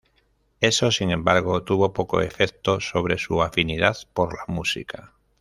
Eso, sin embargo, tuvo poco efecto sobre su afinidad por la música.